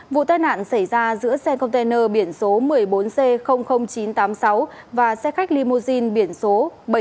vụ tai nạn xảy ra giữa xe container biển số một mươi bốn c chín trăm tám mươi sáu và xe khách limousine biển số bảy mươi chín b